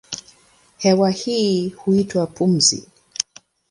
Hewa hii huitwa pumzi.